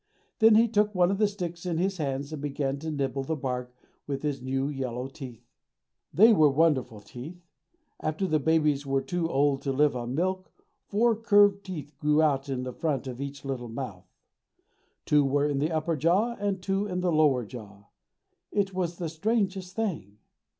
Then he took one of the sticks in his hands and began to nibble the bark with his new yellow teeth. They were wonderful teeth. After the babies were too old to live on milk, four curved teeth grew out in the front of each little mouth. Two were in the upper jaw and two in the lower jaw. It was the strangest thing!